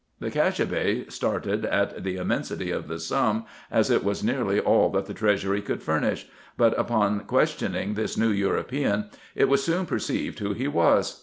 The Kaciabay started at the immensity of the sum, as it was nearly all that the treasury could furnish : but upon questioning this new European, it was soon perceived who he was.